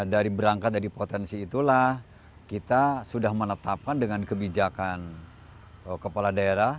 dari berangkat dari potensi itulah kita sudah menetapkan dengan kebijakan kepala daerah